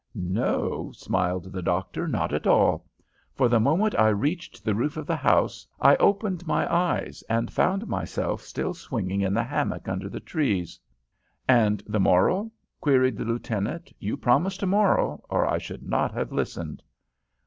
"No," smiled the doctor. "Not at all. For the moment I reached the roof of the house, I opened my eyes, and found myself still swinging in the hammock under the trees." "And the moral?" queried the lieutenant. "You promised a moral, or I should not have listened."